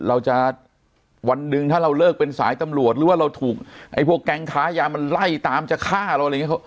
เราจะวันหนึ่งถ้าเราเลิกเป็นสายตำรวจหรือว่าเราถูกไอ้พวกแก๊งค้ายามันไล่ตามจะฆ่าเราอะไรอย่างนี้